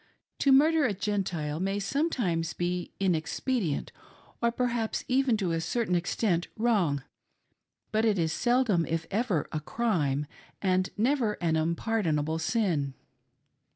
To murder a Gentile may sometimes be inexpedient, or perhaps even to a certain extent wrong, but it is seldom, if ever, a df'ime, and never an unpardonable sin.